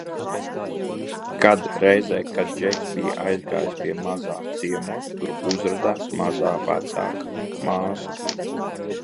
Kad, reizē kad Džeks bija aizgājis pie Mazā ciemos, tur uzradās Mazā vecāka māsa.